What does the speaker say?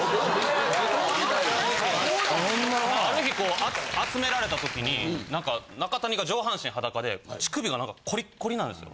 ある日集められた時になんか中谷が上半身裸で乳首がコリッコリなんですよ。